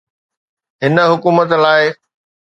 هن حڪومت لاءِ.